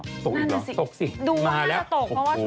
ตกอีกหรือตกสิมาแล้วนั่นหน่อยสิ